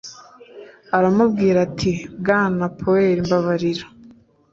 aramubwira ati bwana poel mbabarira